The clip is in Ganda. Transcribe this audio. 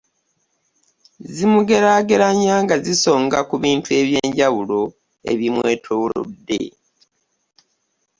Zimugeraageranya nga zisonga ku bintu eby’enjawulo ebimwetoolodde.